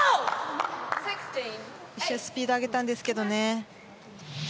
一瞬スピードを上げたんですけどね。